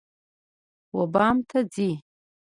وبام ته راځی